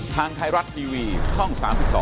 ทางไทยรัฐทีวีช่อง๓๒